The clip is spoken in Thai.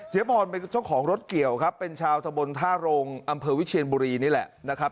บอลเป็นเจ้าของรถเกี่ยวครับเป็นชาวตะบนท่าโรงอำเภอวิเชียนบุรีนี่แหละนะครับ